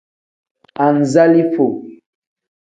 Anzalifo.